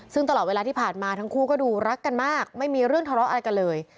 ซึ่งตลอดเวลาที่ผ่านมาทั้งคู่ก็ดูรักกันมากไม่มีเรื่องทะเลาะอะไรกันเลย